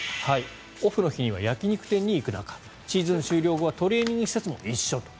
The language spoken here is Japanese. オフの日には焼き肉店に行く仲シーズン終了後はトレーニング施設も一緒と。